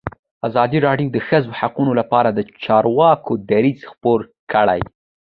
ازادي راډیو د د ښځو حقونه لپاره د چارواکو دریځ خپور کړی.